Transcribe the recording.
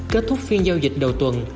kết thúc phiên giao dịch đầu tuần